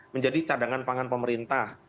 menjadi cadangan pangan pemerintah